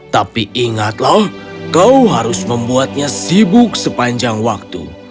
tapi ingatlah kau harus membuatnya sibuk sepanjang waktu